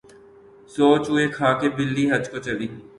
سو چوہے کھا کے بلی حج کو چلی